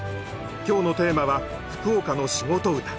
今日のテーマは「福岡の仕事唄」。